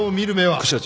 副社長。